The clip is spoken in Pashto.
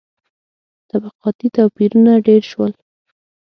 • طبقاتي توپیرونه ډېر شول.